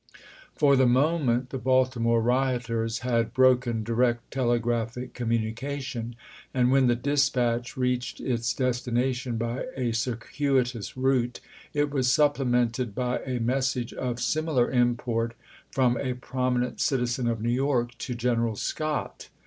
^ For the moment the Baltimore rioters had bro ken direct telegraphic communication ; and when Siiwaitto *^^® dispatch reached its destination by a circuitous ApT2i!i86i.' route, it was supplemented by a message of similar seri^s^'ii., import from a prominent citizen of New York to i23!'^' General Scott.